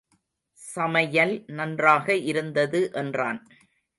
சமையல் நன்றாக இருந்தது என்றான்.